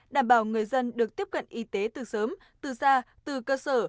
đảm bảo người dân được tiếp cận y tế từ sớm từ xa từ cơ sở